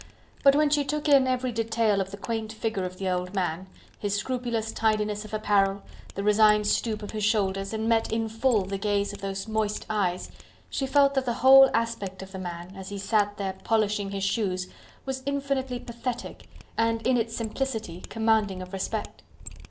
But when she took in every detail of the quaint figure of the old man, his scrupulous tidiness of apparel, the resigned stoop of his shoulders, and met in full the gaze of those moist eyes, she felt that the whole aspect of the man, as he sat there polishing his shoes, was infinitely pathetic and, in its simplicity, commanding of respect.